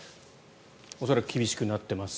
恐らく、厳しくなってます。